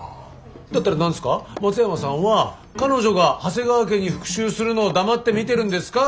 だったら何ですか松山さんは彼女が長谷川家に復讐するのを黙って見てるんですか？